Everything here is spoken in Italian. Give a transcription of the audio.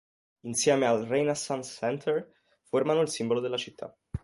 Insieme al "Renaissance Center" formano il simbolo della città.